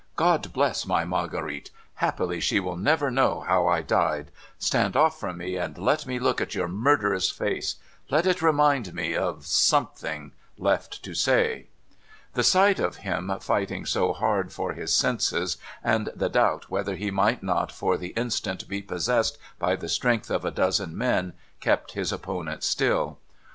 Ciod bless my Marguerite ! Happily she will never know how I died. Stand oft" from me, and let me look at your murderous face. Let it remind me — of something — left to say.' The sight of him fighting so hard for his senses, and the doubt whether he might not for the instant be possessed by the strength of a dozen men, kept his opponent still.